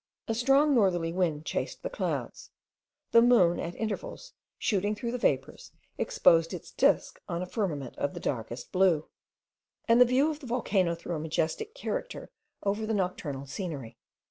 A strong northerly wind chased the clouds; the moon at intervals, shooting through the vapours, exposed its disk on a firmament of the darkest blue; and the view of the volcano threw a majestic character over the nocturnal scenery.